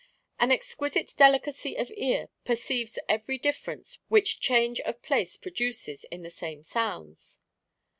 "An exquisite delicacy of ear perceives every difference which change of place produces in the same sounds.